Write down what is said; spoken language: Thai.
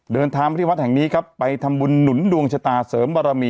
เดินทางมาที่วัดแห่งนี้ครับไปทำบุญหนุนดวงชะตาเสริมบารมี